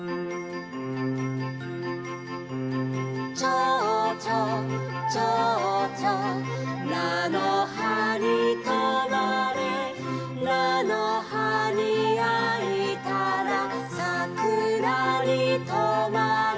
「ちょうちょうちょうちょう」「菜の葉にとまれ」「菜の葉にあいたら桜にとまれ」